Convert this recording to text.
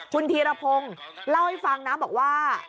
คุณธีรพงศ์เล่าให้ฟังนะบอกว่า